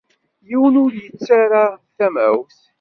Yiwen ur yettarra tamawt.